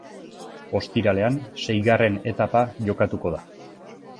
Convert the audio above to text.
Ostiralean seigarren etapa jokatuko da.